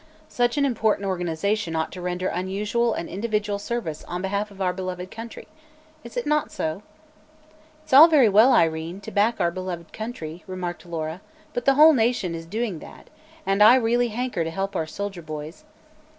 Such an important organization ought to render unusual and individual service on behalf of our beloved country. Is it not so?" "It's all very well, Irene, to back our beloved country," remarked Laura, "but the whole nation is doing that and I really hanker to help our soldier boys."